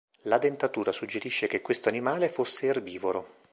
La dentatura suggerisce che questo animale fosse erbivoro.